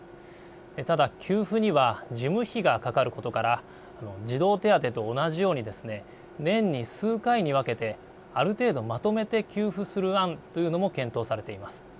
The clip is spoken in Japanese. ただ給付には事務費がかかることから児童手当と同じように年に数回に分けて、ある程度まとめて給付する案というのも検討されています。